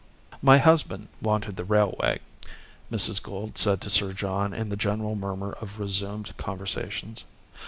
"My husband wanted the railway," Mrs. Gould said to Sir John in the general murmur of resumed conversations.